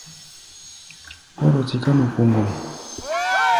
Kóro tiká nu kpoŋgom.